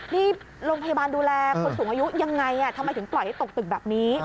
นี่โรงพยาบาลดูแลคนสูงอายุยังไงทำไมถึงปล่อยให้ตกตึกแบบนี้